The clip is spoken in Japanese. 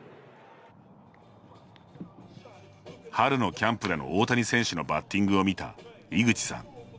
春のキャンプでの大谷選手のバッティングを見た井口さん。